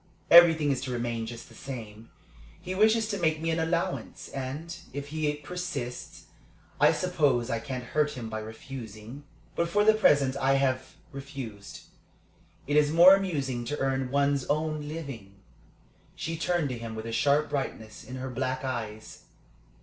Everything is to remain just the same. He wishes to make me an allowance, and, if he persists, I suppose I can't hurt him by refusing. But for the present I have refused. It is more amusing to earn one's own living." She turned to him with a sharp brightness in her black eyes.